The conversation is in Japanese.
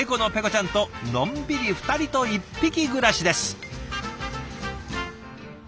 ちゃんとのんびり２人と１匹暮らしです。